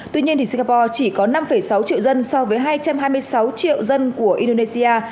tuy nhiên singapore chỉ có năm sáu triệu dân so với hai trăm hai mươi sáu triệu dân của indonesia